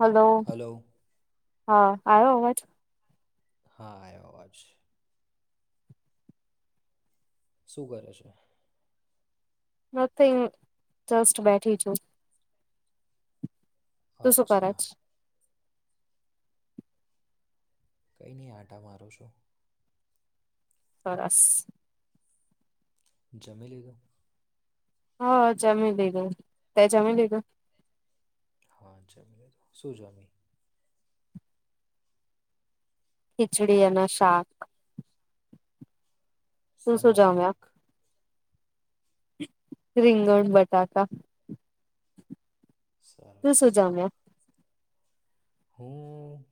Hello હા. આવયો અવાજ હા એ વા જ છે. શું કરે છે? નથિંગ જસ્ટ બેઠી છું. તો શું કર અચ્છા જ કઈ નહી આંટા મારો છો સરસ. જામે લ તો હા જમી લીધય તે જમી લીધું. હા શું જોમી ખીચડીયા અના શાક તું સઝ નુ શું જમ્યા શાખ રીંગણ બટાકા તુ સરસ શું જામ્યો હમ.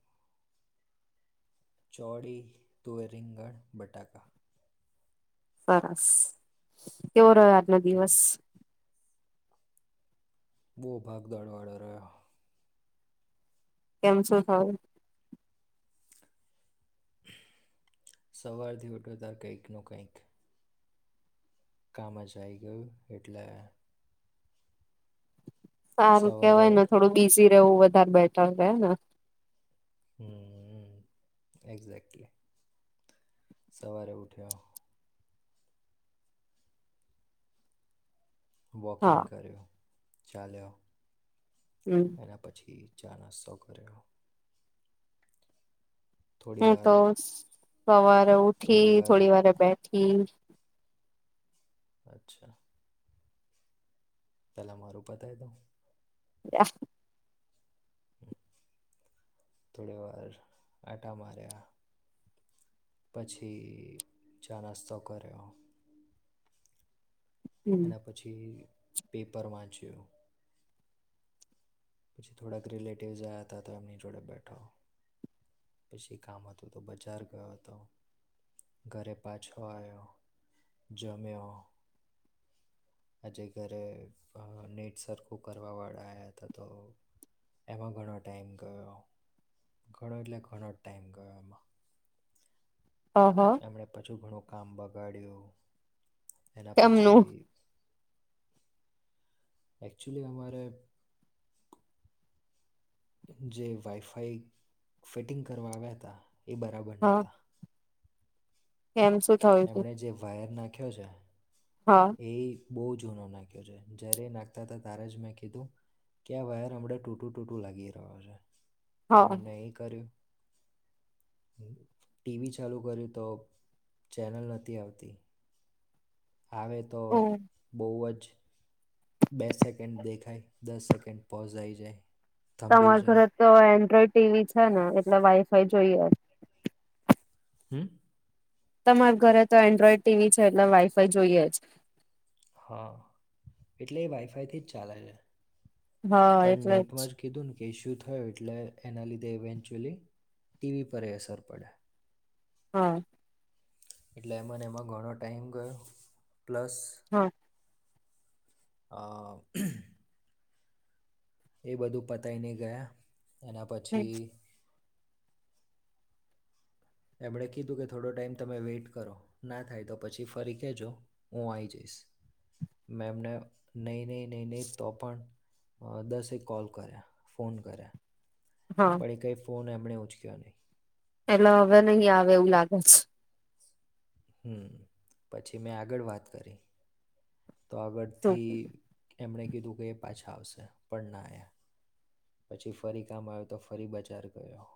ચોડી, તુવે, રીંગણ, બટાકા સરસ કેવુ ર આજ નો હમ, દિવસ બહુ ભાગદોડવાળા રહ્યા કેમ શું થાયુ સવારથી ઉઠતર કંઈક ન કંઈક કામ જ આવી ગયું એટલે સારું સવારે કેવાય ને થોડું બીજી વું વધારે બેઠર રહે ને હમ એક્ઝેક્ટલી સવારે ઉઠ્યો વોકિંગ હા કર્યો. ચાલો હમ એના પછી જા ના શો કર્યો થોડી હું વાર તો સવારે ઉઠી થોડી વારે બેઠી અચ્છા. પેલા મારું પતાય તો એ થોડી વાર આટા માાર્યા પછી ચ નાસ્તો કર્યો એના પછી પેપર વાંચ્યો. પછી થોડાક રિલેટિવ્સ આવ્યા હતા તો એમની જોડે બેઠા પછી કામ હતું તો બજાર ગયો હતો ઘરે પાછો આવ્યો જમ્યો આજે ઘરે નેટ સરખું કરવા વાળા આવયા હતા તો એમાં ઘણો ટાઈમ ગયો ઘણો એટલે ઘણો ટાઈમ ગયો એમાં. હ એમણે પછું ઘણું કામ ગાડ્યો. એના કેમનું પછી એકચુલી અમારે જે વાઈફાઈ ફિટિંગ કરવા આવ્યા હતા. એ બરાબર હા નહોતા. કેમ શું થયું તું એમણે જે વાયર નાખ્યો છે. હા એ. બહુ જૂનો નાખ્યો છે જ્યારે એ નાખતા હતા તારે જ મેં કીધું કે આ વાયર અમડે ટૂટું ટૂટું લાગી રહ્યો છે. હા પણ અમને એ કર્યું. ટીવી ચાલુ કર્યું તો ચેનલ નથી આવતી. આવે તો ઓ બહુ જ બે સેકન્ડ દેખાય દસ સેકન્ડ પોઝઇ જાય. થંભી તમાર ઘર જાય તો ટીવી છે ને એટલે વાઈફાઈ જોઈએ. હું તમારા ઘરે તો એન્ડ્રોઈડ ટીવી છે એટલે વાઈફાઈ જોઈએ જ હા એટલે એ વાઈફાઈ થી જ ચાલે છે હા પણ એટલે જ નેટમાં કીધું ને કે ઈશ્યુ થયો એટલે એના લીધે ઇવેન્ચ્યુઅલી ટીવી પર એ અસર પડે હા એટલે એ મને એમાં ઘણો ટાઈમ ગયો પ્લસ હા અ એ બધું પતાય નહ ગયા એના પછી એમણે કીધું કે થોડો ટાઈમ તમે વેઇટ કરો ના થાય તો પછી ફરી કહેજો હું આવી જઈશ મે એમને નહી નહીં નહીં નહીં તો પણ દસે કોલ કર્યા ફોન ક હા પડી કઈ ફોન પણે ઉચક્યા નહી. એટ હવે નહ આવે એવું લાગે છે. હમ્મ પછી મેં આગળ વાત કરી. તો શું આગળથી એમણે કીધું કે એ પાછા આવશે પણ ના એ પછી ફરી કામ આવ્યું તો ફરી બજાર ગયો.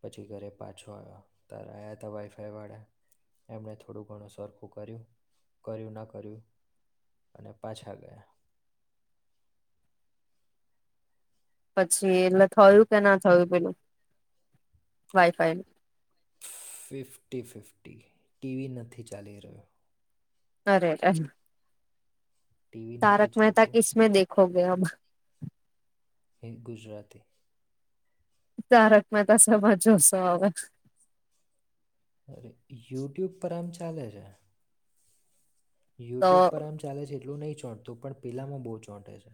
પછી ઘરે પાછો આવ્યો, તાર આવ્યા ત વાઈફાઈ વાળા એમણે થોડું ઘણું સરખું કર્યું કર્યું ના કર્યું, અને પાછા ગયા. પછી એટલે થયું કે ના થયું પેલું વાઈફાઈ? ફિફ્ટી ફિફ્ટી, ટીવી નથી ચાલી રહ્યો. અરે. ટીવી નથી તારક મહેતા ચાલતું કેસમે દેખો. હો ગયા. એક ગુજરાતી. તારક મહેતા સમાં જોશો હવે? અરે યુટ્યુબ પર આમ ચાલે છે. તો યુટ્યુબ પર એમ ચાલે છે એટલું નહીં. ચોંટતું પણ પીલામાં બહુ ચોંટે છે.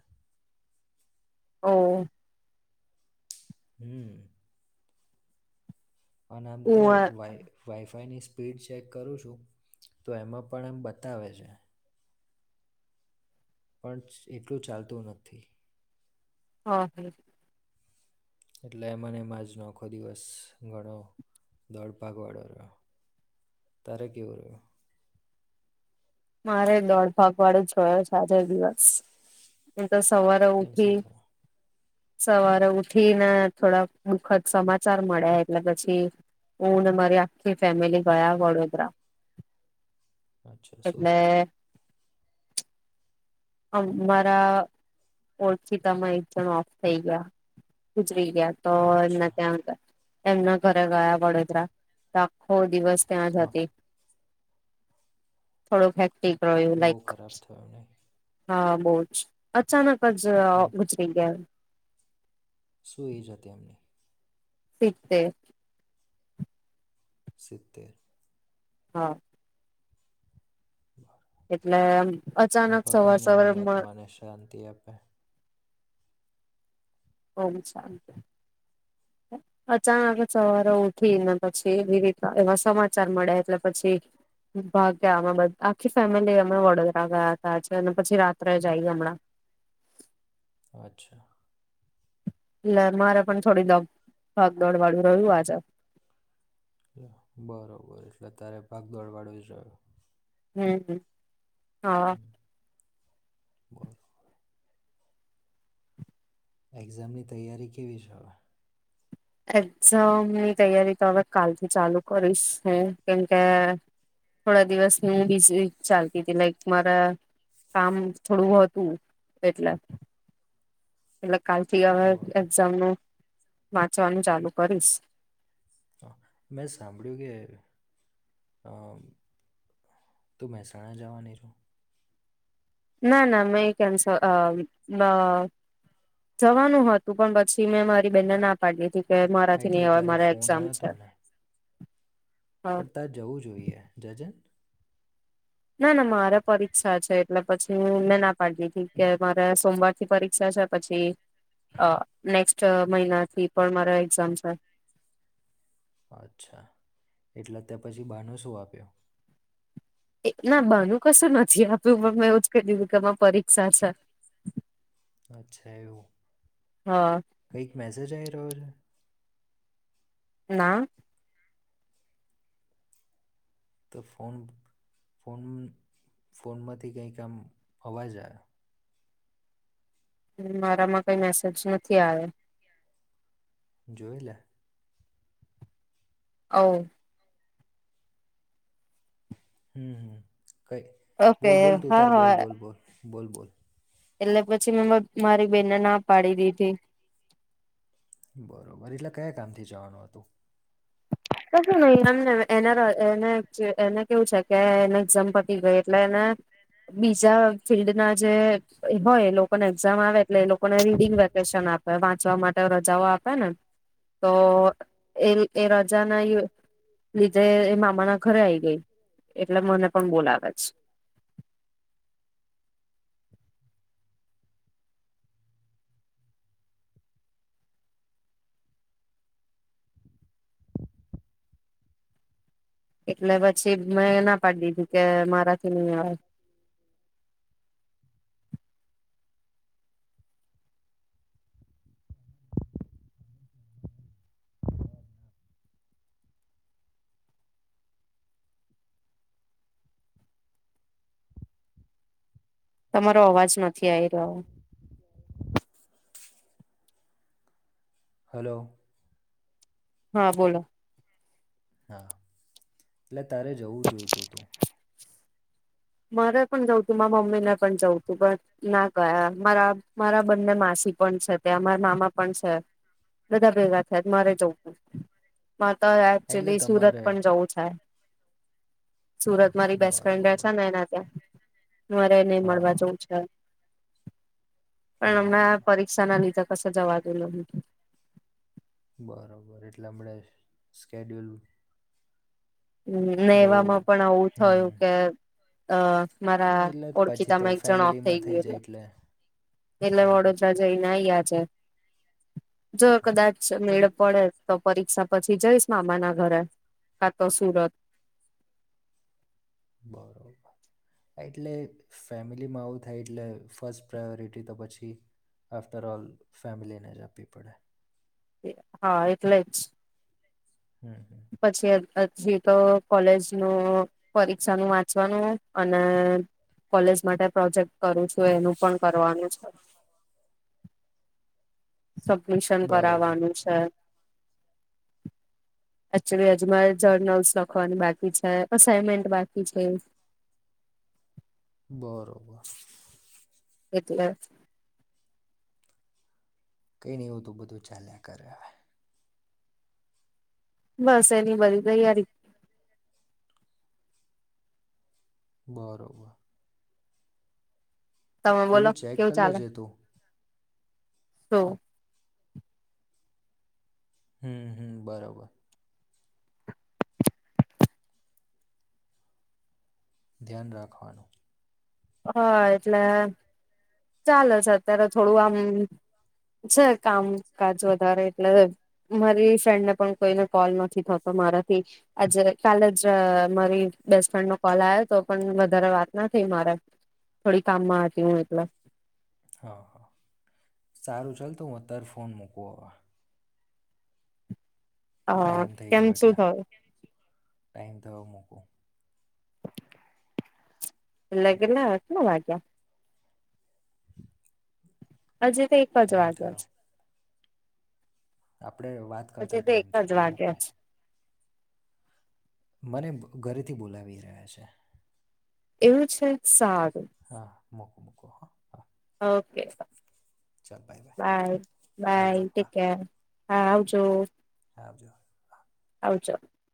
ઓ. હમ. અને આમ તો હું વાય વાયફાઈની સ્પીડ ચેક કરું છું, તો એમાં પણ એમ બતાવે છે. પણ એટલું ચાલતું નથી. હ હ. એટલે એ મને એમાં આજનો આખો દિવસ ઘણો દોડ ભાગ વાળો રહ્યો, તારે કેવું રહ્યું? મારે દોઢ ભાગ વાળો જોયો છે આજો દિવસ. તો સવારે કેમ શું ઉઠી. થયું સવારે ઉઠીને થોડા દુઃખદ સમાચાર મળ્યા એટલે પછી, હું ને મારી આખી ફેમિલી ગયા વડોદરા. અચ્છા શું એટલે થાય? અ મારા ઓળખીતામાં એક જણ ઓફ થઈ ગયા, ગુજરી ગયા તો અચ્છા ત્યાં હતા. એમના ઘરે ગયા વડોદરા, તો આખો દિવસ ત્યાં જ હા હતી. થોડો ફેક્ટિક બહુ ખરાબ થયો ને. હા બહુ જ અચાનક. જ અંક ગુજરી ગયા. શું એજ હતી એમને? શીખતે. સી્તેર. હા. એટલે આમ અચાનક ભગવાન સવાર-સવાર એમની માં આત્માને શાંતિ આપે ઓમ શાંતિ. અચાનક જ સવારે ઉઠી ને પછી એવી રીતના એવા સમાચાર મળ્યાં, એટલે પછી ભાગ્યા અમે બધ આખી ફેમિલી અમે વડોદરા ગયા તા આજે અને પછી રાત્રે જાઈ હમણાં. અચ્છા. એટલે મારે પણ થોડી દ ભાગ દોડ વાળું રહ્યું આજે. બરોબર. એટલે અત્યારે ભાગદોડ વાળું [unintelligible] [inaudible] હા. [unintelligible] એક્ઝામની તૈયારી કેવી છે હવે? એક્ઝામની તૈયારી તો હવે કાલથી ચાલુ કરીશ હું, કેમકે થોડા દિવસ હું બીઝી ચાલતી હતી લાઈક મારે કામ થોડું હતું એટલે. એટલે કાલથી હવે બરોબર એક્ઝામ નું વાંચવાનું ચાલુ કરીશ. હા. મેં સાંભળ્યું કે અહ તું મહેસાણા જવાની છો. ના, ના મેં કેમ સ અહ ન જવાનું હતું, પણ પછી મેં મારી બેન ના પાડ દીધી કે હા મારાથી નહી એટલે અવાય તારે મારે ફોન એક્ઝામ આવ્યો છે. હતો ને હા પણ ત્યાં જવું જોઈએ, જજેન. ના, ના મારે પરીક્ષા છે એટલે પછી [unintelligible] ના પાડ દીધી કે મારે સોમવારથી પરીક્ષા છે, પછી અહ નેક્સ્ટ મહિનાથી પણ મારે એક્ઝામ છે. અચ્છા. એટલે અત્યાર પછી બહાનો શું આપ્યો? ના બહાનું કશું નથી આપ્યું, પણ મેં એવુંજ કહી દીધું કે માર પરીક્ષા છે. અચ્છા એવું, હા. કઈક મેસેજ ધાર [unintelligible] ના. તો ફોન ફોન ફોનમાંથી કંઈક આમ અવાજ આવે. મારામાં કઈ મેસેજ નથી આવે. જોઈલે. ઓ. હમ હમ. કઈ ઓકે બોલ બોલ હા તુંતાર હા બોલ બોલ બોલ. બોલ બોલ. એટલે પછી મેં મારી બેનને ના પાડી દીધી. બરોબર એટલે કયા કામથી જવાનું હતું? કશું નહી, એમને એ એને એને કેવું છે કે એને એક્ઝામ પતી ગઈ, એટલે એને બીજા ફિલ્ડ ના જે હોય લોકોને એક્ઝામ આવે. એટ લોકોને રીડિંગ વેકેશન આપે. વા માટે રજાઓ આપે ને, તો એ જાના ીધે એ મામાના ઘરે આવીઈ, ગઈ એટલે મને પણ બોલાવે છે. એટલે બ છી મે ના પાડી દીધી કે મારાથી ની અવાય. તમારો અવાજ નથી આય [unintelligible] [unintelligible] હા બોલો હા [unintelligible] ત્યારે જવું જોઈતું હતું. મારે પણ જવું તું. મારા મમ્મીને પણ જવું તું. પણ ના ગયા, મારા મારા બંને માસી પણ છે ત્યાં. મારા મામા પણ છે, બધા ભેગા થયા મારે જવ તું. માં તો હા, એટલે એકચુલી સુરત તમારે પણ જવું છે. સુરત મારી બેસ્ટ ફ્રેન્ડ રે [unintelligible] બરોબર ત્યા મારે એને હા મળવા હા જવું છે. પણ હમણાં બરોબર પરીક્ષા ના લીધે કશે જવા પેલો બી બરોબર એટલે હમણે [unintelligible] હમ્મ ને બહુ એવામાં પણ આવું હમ થયું કે અહ મારા એટલે એટલે જ પછી ઓળખીતા તો માં એક જણ ઓફ થઈ ફેમિલીમાં ગયું. જાય એટલે એ એટલે હા હા વડોદરા જઈને આઇ જાર જો હા કદાચ મેળ એટલે પડે તો પરીક્ષા પછી જઈશ મામા ના ઘરે. તો [unintelligible] બરોબર. એટલે ફેમિલીમાં આવું થાય એટલે ફસ્ટ પ્રાયોરિટી તો પછી આફ્ટર ઓલ ફેમિલીને જ આપવી પડે. હા એટલે જ હમ હમ પછી [unintelligible] હછી તો કોલેજનું પરીક્ષાનું વાંચવાનું, અને કોલેજ માટે પ્રોજેક્ટ કરું છું, એનું પણ કરવાનું છે. સબમિશન બરોબર કરાવવાનું છે. એક્ચ્યુલી અજુમાં જર્નલ્સ લખવાની બાકી છે, અસાઈનમેન્ટ બાકી છે. બરોબર. એટલે કઈ નઈ એવું તો બધું ચેલે કરે હવે બસ એની બધી તૈયારી બરોબર. તમે બોલો પેલું ચેક કેવું કરી ચાલે? લેજે તું તો હમ્મ હમ્મ બરોબર ધ્યાન રાખવાનું હા એટલે ચલે છે, અત્યારે થોડું આમ છે કામકાજ વધારે એટલે, મારી ફ્રેન્ડને પણ કોઈને કોલ નથી થતો મારાથી. આજે કાલે જ મારી બેસ્ટફ્રેન્ડ નો કોલ આવ્યો તો પણ વધારે વાત નથી થઈ મારે થોડી કામમાંતી હું [unintelligible] હા સારું ચાલતો, હું અત્યારે ફોન મૂકુ હવે હ ટાઈમ થઈ કેમ શું થયું?. હવે મુકુ લેગિન ને હાથ માં વાગ્યા હજે તો એક જ વાગ્યો છે. આપડે વાત છે કરતા હજી તો ટાઈમ એક જ મૂકો. વાગ્યા છે મને ઘરેથી બોલાવી રહ્યા છે. એવું [unintelligible] સાક હા મકો મકો હા હ ઓકે બાય બાય આવજો હા ઠીક હા આવજો ઠીક [unintelligible] [unintelligible]